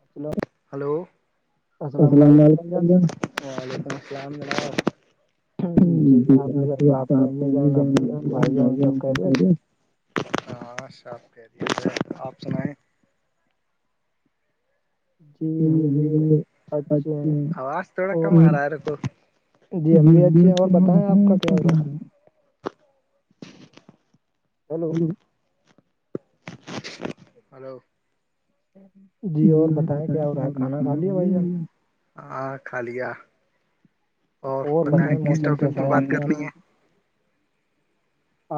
مطلب ہلو السلام علم ولیکم السل ہ ج تو آپ ج کرے ہاں آپ کہہے آپ سنائیں چ آواز تھوڑا کما رہا ہے ر کو جی بت آ کیا [unintelligible] چلو ہلو جی بتیا کیا ہو گھر کھانا خالی ہو ہاں خالیا اور بتائیں اسٹفن تو بند کرنی ہے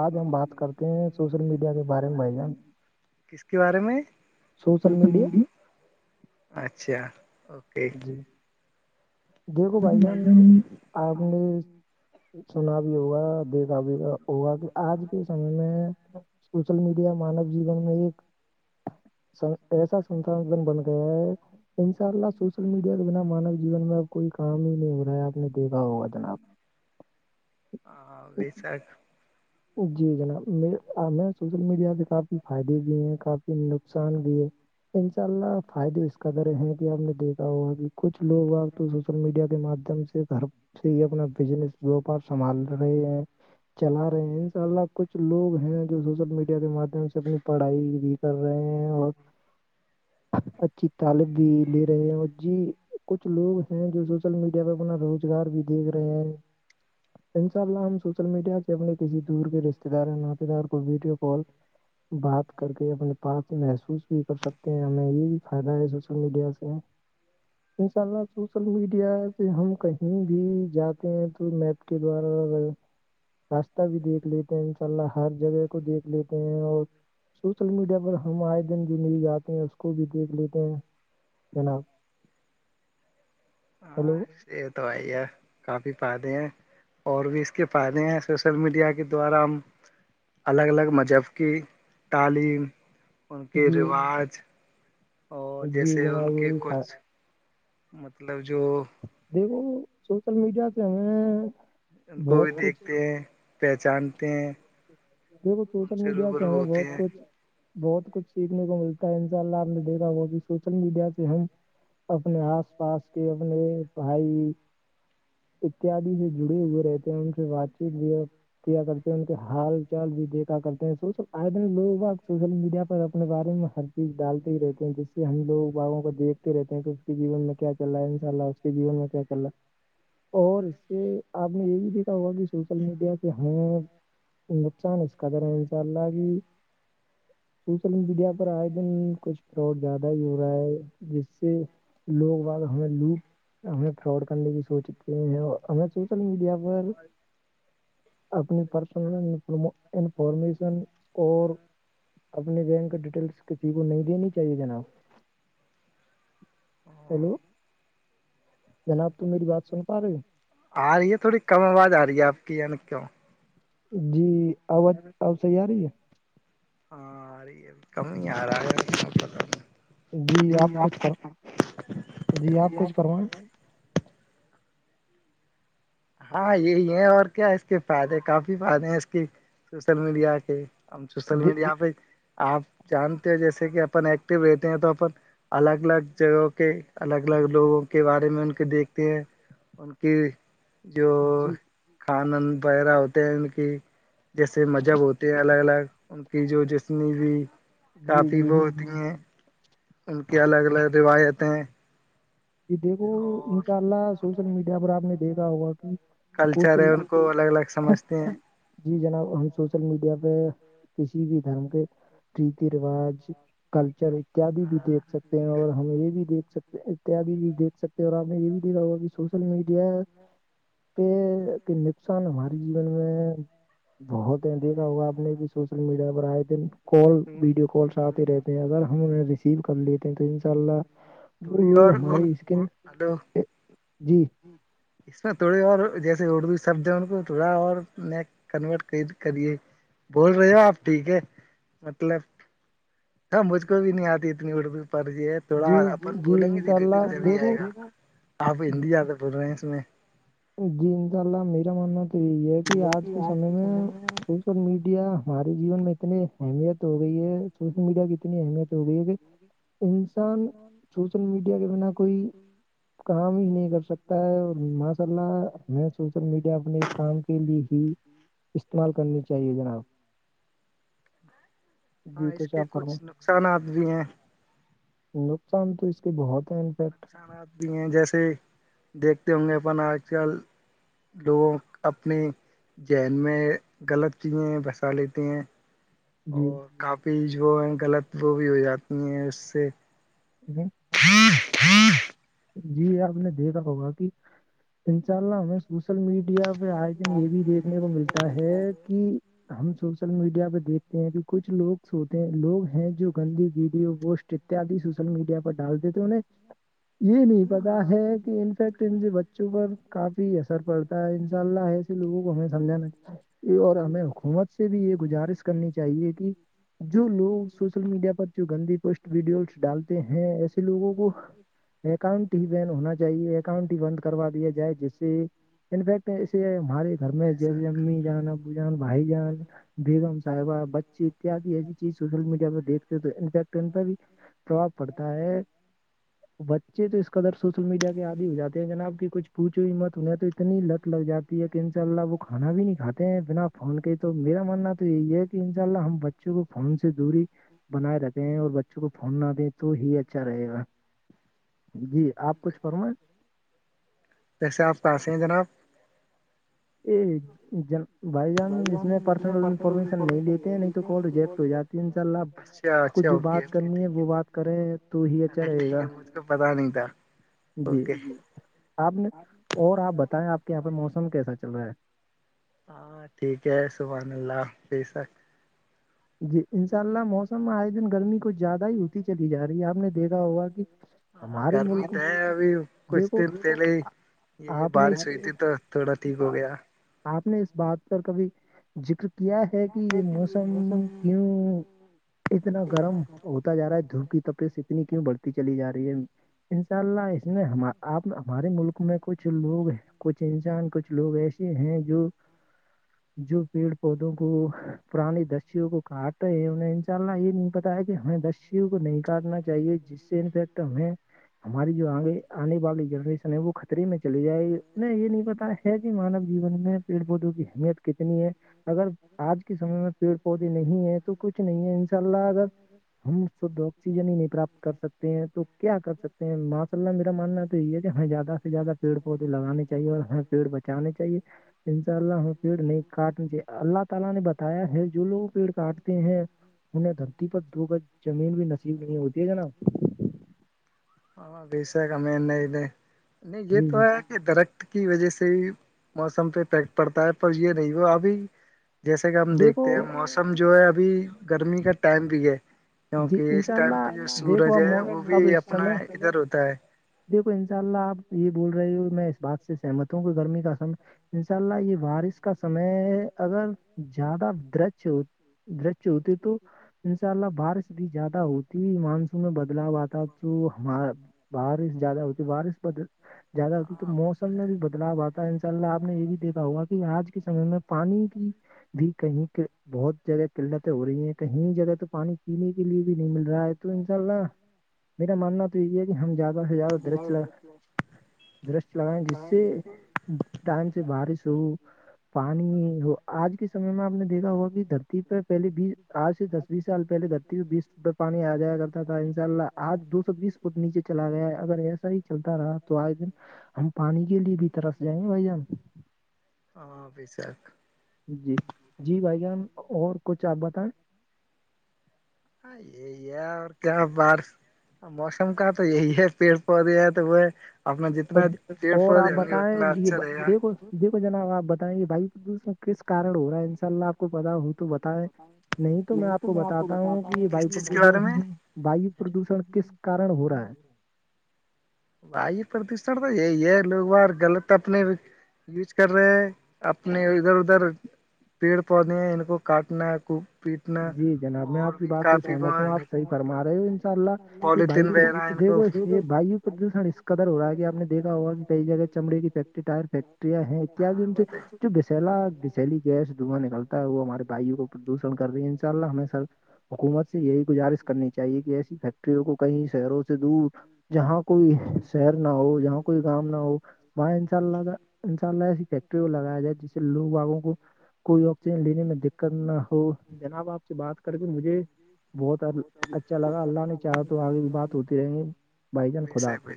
آج ہم بات کرتے ہیں سوشل میڈیا کے بارے میں بھائی جان کس کے بارے میں [unintelligible] اچھا اوکے دیکھو بھائی جان آپ نے سنا بھی ہوا دیکھا بھی ہوا کہ آج کے سمے میں سوشل میڈیا مانو جیون میں ایک س ایسا سنساندن بن گیا ہے ان شاء اللہ سوشل میڈیا کے بنا مانو جیون میں اب کوئی کام ہی نہیں ہو رہا ہے آپ نے دیکھا ہوگا جناب ہ بییساخ جی جناب ہمیں سوشل میڈیا پہ کافی فائدے بھی ہیں کافی نقصان بھی ہے انشاء اللہ فائدے اس کادرح ہیں کہ آپ نے دیکھا ہوا کہ کچھ لوگ آپ تو سوشل میڈیا کے ماددھیم سے گھر سے ہی اپنا بزنس وپار سنبھال رہے ہیں چلا رہے ہیں ان شاء اللہ کچھ لوگ ہیں جو سوشل میڈیا کے مادھیم سے اپنی پڑھائی بھی کر رہے ہیں اور اچھی تالب بھی لے رہے ہیں اور جی کچھ لوگ ہیں جو سوچ سول میڈیا پہ اپنا روزگار بھی دیکھ رہے ہیں ان شاء اللہ ہم سوشل میڈیا کسی دور کے رشتے دار ناات دار کو ویڈیو کال بات کر کے اپنے پاپ میں محسوس کچھ بھی کر سکتے ہیں ہمیں یہ بھی فائدہ ہے سوشل میڈیا سے ان شاء اللہ سوشل میڈیا سے ہم کہیں بھی جاتے ہیں تو میں کے دوارا گ راستہ بھی دیکھ لیتے ہیں ان شاء اللہ ہر جگہ کو دیکھ لیتے ہیں اور سوشل میڈیا پر ہم آئے دن مل جاتے ہیں اس کو بھی دیکھ لیتے ہیں ہے نا ہلو یہ تو آئی ہے کافی پادے ہیں اور بھی اس کے فائدے ہیں سوشل میڈیا کے دوارا ہم الگ الگ مذہب کی تعلیم ان کے رواج جی جنا بھی مطلب جو دیکھو سوشل میڈیا پہ ہمیں ان کو بھی دیکھتے ہیں پہچانتے ہیں دیکھو سوشل میڈیا سے ہمیں بہت کچھ بہت کچھ سیکھنے کو ملتا ہے ان شاء اللہ آپ نے دیکھا وہ بھی سوشل میڈیا سے ہم اپنے آس پاس کے اپنے بھائی اتیادی سے جڑے ہوئے رہتے ہیں ان سے بات چیت بھی ہے کیا کرتے ہیں ان کے حال چال بھی دیکھا کرتے ہیں سوشل آئے دن لوگ سوشل میڈیا پر اپنے بارے میں ہر چیز ڈالتے ہی رہتے ہیں جس سے ہم لوگ باغوں کو دیکھتے رہتے ہیں تو اس کے جیون میں کیا چل رہ ہے ان شاء اللہ اس کے جیون میں کیا چ رہا اور اس سے آپ نے یہ بھی دیکھا ہوگا کہ سوشل میڈیا سے ہیں نقصان اس قدر ہے انشاء اللہ کی سوشل میڈیا پر آئے دن کچھ فراڈ زیادہ ہی ہو رہا ہے جس سے لوگ باگ ہمیں لوپ ہمیں فراڈ کرنے کی سوچتے ہیں ہمیں سوشل میڈیا پر اپنی پرسنل انفارمیشن اور اپنی بینک ڈیٹیلس کسی کو نہیں دینی چاہیے جناب ہیلو جناب تو میری بات سن پا رہی ہو آ رہی ہے تھوڑی کم آواز آ رہی ہے آپ کی یعنی کیوں جی آواز آب صحیح آ رہی ہے ہاں آ رہی ہے کم ہی آ رہا ہے پ جی ج آپ کچ جی آپ کھ ہاں یہی ہے اور کیا اس کے فائدے کافی فائدے ہیں اس کے سوشل میڈیا کے ہم سوشل میڈیا پہ آپ جانتے ہو جیسے کہ اپن ایکٹو رہتے ہیں تو اپن الگ الگ جگہوں کے الگ الگ لوگوں کے بارے میں ان کے دیکھتے ہیں ان کی جو کانن وغیرہ ہوتے ہیں ان کی جیسے مذہب ہوتے ہیں الگ الگ ان کی جو جسنی بھی کافی وہ ہوتی ہیں ان کی الگ الگ روایتیں ج دیکھو انشاء اللہ سوشل میڈیا پر آپ نے دیکھا ہوا کہ کلچر ہے ان کو الگ الگ سمجھتے ہیں جی جناب ہم سوشل میڈیا پہ کسی بھی دھرم کے ریتی رواج کلچر اتیادی بھی دیکھ سکتے ہیں اور ہم یہ بھی دیکھ سکتے ہیں بھی بھی دھ سکتے ہیں اور آپ نے یہ بھی دیکھا ہوا کہ سوشل میڈیا پ کے نقصان ہمارے جیون میں بہت ہیں دیکھا ہوگا آپ نے بھی سوشل میڈیا پر آئے تھن کال ویڈیو کالس آتے رہتے ہیں اگر ہم انہیں ریسیو کر لیتے ہیں تو ان شاء اللہ وہ لوگ ہ ہلو ج اس میں تھوڑے اور جیسے اردو شبد ہے ان کو تھوڑا اور ن کنورٹ کریے بول رہے ہو آپ ٹھیک ہے مل ہاں مجھ کو بھی نہیں آتی اتنی اڑد پرجی ہے تھوڑا اپ بولیں گے دھیرے دھیرے چل ہی آئے گا آپ ہندی زیادہ بول رہے ہیں اس میں جی انشاء اللہ میرا ماننا تو یہی ہے کہ آج کے سمے میں سوشل میڈیا ہمارے جیون میں اتنی اہمیت ہو گئی ہے سوشل میڈیا کی اتنی اہمیت ہو گئی ہے کہ جی انسان سوشل میڈیا کے بنا کوئی کام ہی نہیں کر سکتا ہے اور ماسک ملہ ہمیں سوشل میڈیا اپنے کام کے لیے ہی استعمال کرنی چاہیے جناب ہ ہاں اس کے کچھ نقصانات بھی ہیں نقصان تو اس کے بہت ہیں امفیکٹ ان آد بھی ہیں جیسے دیکھتے ہوں گے اپن آج کل لوگوں اپنی ذہن میں غلط چیزیں بسا لیتے ہیں اور کاپی جو ہیں غلط وہ بھی ہو جاتی ہیں اس سے جی جی آپ نے دیکھا ہوگا کہ اننسنا میں سوشل میڈیا میڈیا پہ آج دن یہ بھی دیکھنے کو ملتا ہے کہ ہم سوشل میڈیا پہ دیکھ کہ کچھ لوگ سوتے ہیں لوگ ہیں جو گندی ویڈیو پوسٹ اتیاد سوشل میڈیا پر ڈالتے تھے انہیں [unintelligible] یہ نہیں پتا ہے کہ انفیکٹ ان سے بچوں پر کافی اثر پڑتا ہے انشاء اللہ ایسے لوگوں کو ہمیں سمجھانا چ اور ہمیں حکومت سے بھی یہ گزارش کرنی چاہیے کہ جو لوگ سوشل میڈیا پر جو گندی پوسٹ ویڈیوز ڈالتے ہیں ایسے لوگوں کو اکاؤنٹ ہی بین ہونا چاہیے اکاؤنٹ ہی بند کروا دیا جائے جس سے انفیکٹ ایسے ہمارے گھر میں جیسے امی جان ابو جان بھائی جان بیگم صاحبہ بچی اتد ایسی چیز سوشل میڈیا پہ دیکھتے ہیں تو انفیکٹ ان کا بھی پرباؤ پڑتا ہے بچے تو اس قدر سوشل میڈیا کے آدی ہو جاتے ہیں جناب کی کچھ پوھو ہوئی مت ہو تو اتنی لت لگ جاتی کہ ان شاء اللہ وہ کھانا بھی نہیں کاتے ہیں بنا فھون کے تو میرا ماننا تو یہی ہے کہ ان شاء اللہ ہم بچ بچوں کو فون سے دوری بنائے رکھے ہیں اور بچوں کو فون نہ دیں تو ہی اچھا رہے گا جی آپ کچھ فرما جیسے آپ کہاںس ہیں جناب یہ جن بھائی جان اس میں پرسنل انفارمیشن نہیں لیتے ہیں نہیں تو کال ریجیکٹ ہو جاتی ہے انشاء اللہ کچھ جو بات کرنی ہے وہ بات کریں تو ہی اچھا رہے گا اوکے ج آپ نے اور آپ بتائیں آپ کے یہاں پہ موسم کیسا چل رہا ہے ہاں ٹھیک ہے سبح اللہ پ سک جی انشاء اللہ موسم میں آئے دن گرمی کچھ زیادہ ہی ہوتی چلی جا رہی ہے آپ نے دیکھا ہوگا کہ ہاں گرمی تو ہے ابھی کچھ دن پہلے ہی یہ یہ بارش ہوئی تھی تو تھوڑا ٹھیک ہو گیا آپ نے اس بات پر کبھی ذکر کیا ہے کہ یہ موسم کیوں اتنا گرم ہوتا جا رہا ہے دھوپ کی تپیت سے اتنی کیوں بڑھتی چلی جا رہی ہے ان شاء اللہ اس میں ہم آپ ہمارے ملک میں کچھ لوگ کچھ انسان کچھ لوگ ایسے ہیں جو جو پیڑ پودوں کو پرانی دسوں کو کاٹے ہیں انہیں انشاء اللہ یہ پتا ہے کہ ہمیں بیوں کو نہیں کاٹنا چاہیے جس سے انفیکٹ ہمیں ہماری جو آگے آنے والی جنریشن ہے وہ خطرے میں چلی جائے یہ نہیں پتا ہے ہے کہ مانو جین میں پیڑ پودوں کی اہمیت کتنی ہے اگر آج کے سمے میں پیڑ پودے نہیں ہے تو کچھ نہیں ہے ان شاء اللہ اگر ہمھ آکسیجن ہی نہیں پراپت کر سکتے ہیں تو کیا کر سکتے ہیں ماشاء اللہ میرا ماننا تو یہ ہے کہ ہمیں زیادہ سے زیادہ پیڑ پودے لگانے چاہیے اور ہمیں پیڑ بچانے چاہیے انشاء اللہ ہمیں پیڑ نہیں کاٹنا چاہے اللہ تعالی نے بتایا ہے جولو پیڑ کاٹتے ہیں انہیں دھرتی پر دو گز زمین بھی نصیب نہیں ہوتی ہے جناب ہ بییسام نہیں نہیں گ تو یہ درخت کی وجہ سے بھی موسم پہیک پڑتا ہے پر یہ نہیں وہ ابھی جیسے کہ ہم دیکھتے ہیں موسم جو ہے ابھی گرمی کا ٹائم بھی ہے کیونکہ اسٹم پہ جو سورج ہے وہ بھی اپنا ادھر ہوتا ہے دیکھو انشاء اللہ آپ یہ بول رہے ہو میں اس بات سے سہمت ہوں کہ گرمی کا سم انشاء اللہ یہ بارش کا سمے اگر زیادہ درش ہو درچ ہوتی تو انساء اللہ بار بھی زیادہ ہوتی مانس میں بدلاؤ آتا جو ہمارا بارش زیادہ ہوتی بارش ب زیادہ ہوتی تو موسم میں بھی بدلاؤ آتا ہے ان شاء اللہ آپ نے یہ بھی دیکھا ہوگا کہ آج کے سمے میں پانی کی بھی کہیں بہت جگہ قلنت ہو رہی ہیں کہیں جگہ تو پانی پی نے کے لیے بھی نہیں مل رہا ہے تو انشاء اللہ میرا ماننا تو یہ ہے کہ ہم زیادہ سے زیادہ درج چلا درش لگائیں جس سے ٹائم سے بارش ہو پانی ہو آج کے سمے میں آپ نے دیکھا ہوا کہ دھرتی پہ پہلے بیس آج سے دس بیس سال دھرتی میں بیس فٹ پر پانی آ جیا کرتا تھا ان شاء اللہ آگ دو سو بیس فٹ نیچے چلا گیا اگر ایسا ہی چلتا رہا تو آئے دن ہم پانی کے لیے بھی طرف سے جائیں گے بھائی جان ہاں پی ساک جی جی بھائی جان اور کچھ آپ بتائیں ہ یہ اور کیا بار موسم کا تو یہی ہے پیڑ پودے ہیں تو وہ ہے اپنا جتنا ڈیڑ سو دیں گے اتنا اچھا رہے گا دیکھو جناب آپ بتائ گے واو پردوشن کس کن ہو رہا ہے ان شاء اللہ آپ کو پتا ہو تو بتائے نہیں تو میں آپ کو بتاتا ہوں کہ یہ بائیو پردوشن وایو پردوشن کس کارن ہو رہا ہے بائی پردشن تو یہی ہے لوگار غلط اپنے یوز کر رہے ہیں اپنے ادھر ادھر پیڑ پودے ان کو کاٹنا ک جی جناب میں آپ کی بات سے سہمت ہوں آپ صحیح فرما رہے ہو انشاء اللہ یہ بھائی پ دیکھو یہ وایو پردوشن اس قدر ہو رہا ہے کہ آپ دیکھا ہوا کہ کئی جگہ چمڑے کی فیکٹری ٹائر فیکٹ ہے سے جو بسلا بسلی گیس دواں نکلتی وہ ہمارے بایو کو پردوشن رہی ان شاء اللہ ہمیں سر حکومت سے یہی گزارش کرنی چاہیے کہ ایسی فیکٹریوں کو کئی شہروں سے دودھ جہاں کوئی شہر نہ ہو جہاں کوئی گاؤ نہ ہو وہاں ان شاء اللہ کا انساء اللہ ایسی فیکٹری لگیا جائے جس سےو آگوں کوئی آکسیجن ل میں دقت نہ ہو جناب آپ سے بات کر کے مجھے بہت اچھا لگا اللہ نے چاہا تو آگے بھی بات ہوتی رہیں گی بھائی جان خدا پہ